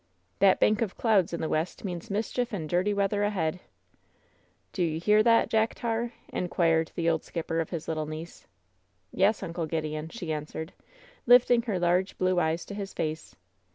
"That bank of clouds in the west means mischief and dirty weather ahead." "Do you hear that, Jack Tar?" inquired the old skip per of his little niece. "Yes, Uncle Gideon," she answered, lifting her large, blue eyes to his face.